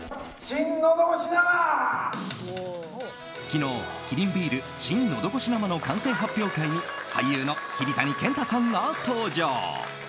昨日、キリンビール新のどごし生の完成発表会に俳優の桐谷健太さんが登場。